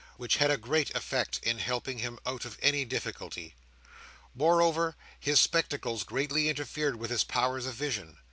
which had a great effect in helping him out of any difficulty. Moreover, his spectacles greatly interfered with his powers of vision.